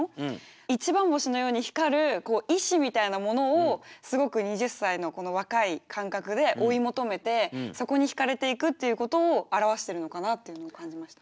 一番星のように光る意志みたいなものをすごく二十歳の若い感覚で追い求めてそこにひかれていくっていうことを表してるのかなっていうふうに感じました。